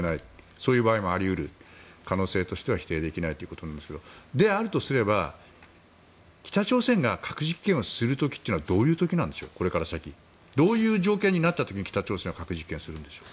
そういう場合もあり得る可能性としては否定できないんですけどであるとすれば北朝鮮が核実験をする時というのはこの先どういう条件になれば北朝鮮は核実験をするんでしょう。